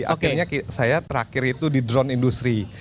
akhirnya saya terakhir itu di drone industri